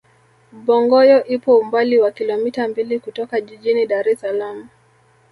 bongoyo ipo umbali wa kilomita mbili kutoka jijini dar es salaam